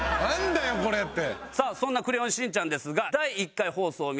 そんな『クレヨンしんちゃん』ですが。